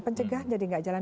pencegahan jadi nggak jalan